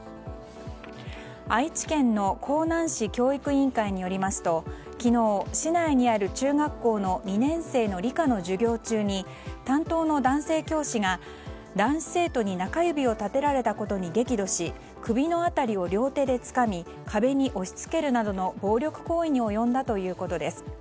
愛知県の江南市教育委員会によりますと昨日、市内にある中学校の２年生の理科の授業中に担当の男性教師が、男子生徒に中指を立てられことに激怒し首の辺りを両手でつかみ壁に押し付けるなどの暴力行為に及んだということです。